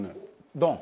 ドン！